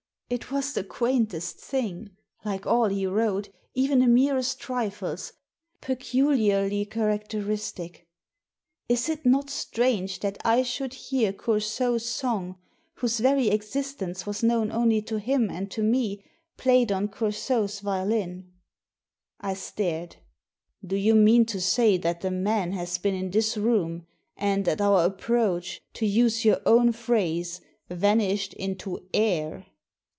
It was the quaintest tUng — ^like all he wrote, even the merest trifles, peculiarly charac teristic Is it not strange that I should hear Cour sault's song, whose very existence was known only to him and to me, played on Coursault's violin ?" I stared "Do you mean to say that the man has been in this room, and at our approach, to use your own phrase, vanished into air?"